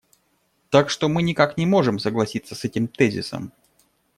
Так что мы никак не можем согласиться с этим тезисом.